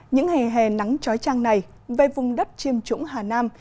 những hề hề nắng trói trăng này về vùng đất chiêm trũng hà nam